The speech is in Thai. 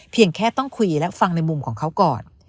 แค่ต้องคุยและฟังในมุมของเขาก่อน